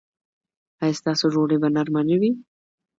ایا ستاسو ډوډۍ به نرمه نه وي؟